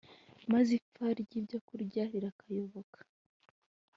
maze ipfa ryibyokurya rikayoyoka